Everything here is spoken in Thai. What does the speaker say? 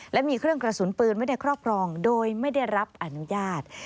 และมีเครื่องกระสุนปืนไว้ในครอบครองโดยไม่ได้รับอนุญาต